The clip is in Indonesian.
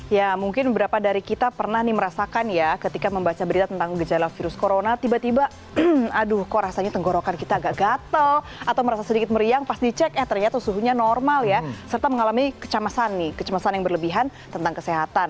ya mungkin beberapa dari kita pernah nih merasakan ya ketika membaca berita tentang gejala virus corona tiba tiba aduh kok rasanya tenggorokan kita agak gatel atau merasa sedikit meriang pas dicek eh ternyata suhunya normal ya serta mengalami kecemasan nih kecemasan yang berlebihan tentang kesehatan